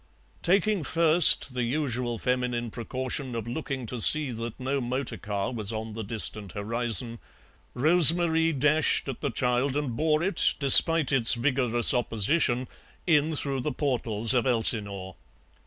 Taking first the usual feminine precaution of looking to see that no motor car was on the distant horizon, Rose Marie dashed at the child and bore it, despite its vigorous opposition, in through the portals of Elsinore.